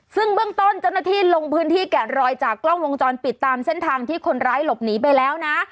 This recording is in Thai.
ซึ่งเบื้องต้นเจ้าหน้าที่ลงพื้นที่แกะรอยจากกล้องวงจรปิดตามเส้นทางที่คนร้ายหลบหนีไปแล้วนะ